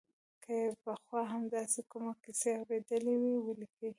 که یې پخوا هم داسې کومه کیسه اورېدلې وي ولیکي.